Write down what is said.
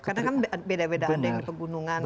karena kan beda beda ada yang di pegunungan